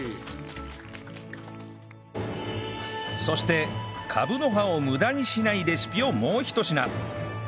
そしてカブの葉を無駄にしないレシピをもうひと品